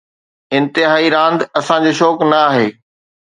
انتهائي راند اسان جو شوق نه آهي